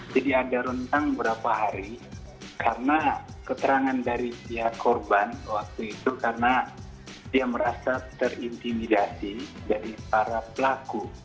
jadi ada rentang beberapa hari karena keterangan dari si korban waktu itu karena dia merasa terintimidasi dari para pelaku